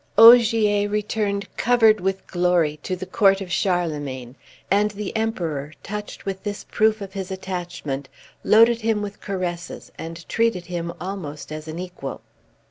Ogier returned covered with glory to the court of Charlemagne, and the Emperor, touched with this proof of his attachment, loaded him with caresses, and treated him almost as an equal.